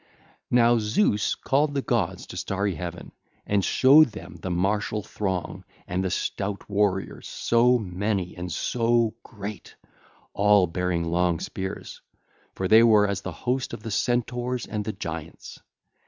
(ll. 168 173) Now Zeus called the gods to starry heaven and showed them the martial throng and the stout warriors so many and so great, all bearing long spears; for they were as the host of the Centaurs and the Giants.